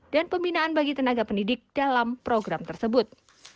dan pembinaan bagi tenaga pendidik dalam program tersebut